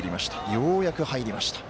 ようやく入りました。